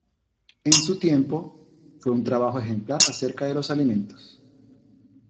En su tiempo, fue un trabajo ejemplar acerca de los alimentos.